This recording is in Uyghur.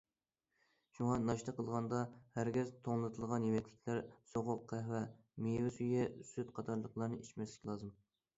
شۇڭا ناشتا قىلغاندا، ھەرگىز توڭلىتىلغان يېمەكلىكلەر، سوغۇق قەھۋە، مېۋە سۈيى، سۈت قاتارلىقلارنى ئىچمەسلىك لازىم.